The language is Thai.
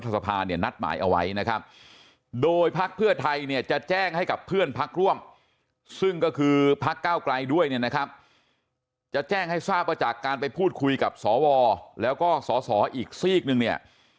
ซึ่งก็คือพักก้าวกลายด้วยนะครับจะแจ้งให้ทราบว่าจากการไปพูดคุยกับสวแล้วก็สสอีกซีกหนึ่งเนี่ย